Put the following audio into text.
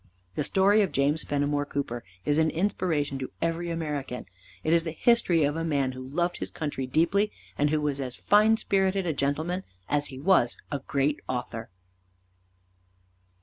The story of James Fenimore Cooper is an inspiration to every American. It is the history of a man who loved his country deeply, and who was as fine spirited a gentleman as he was a great author.